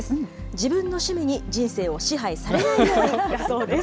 自分の趣味に人生を支配されないようにだそうです。